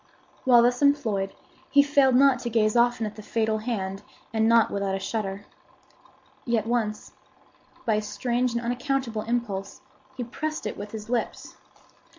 While thus employed, he failed not to gaze often at the fatal hand, and not without a shudder. Yet once, by a strange and unaccountable impulse he pressed it with his lips.